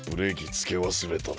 つけわすれたな。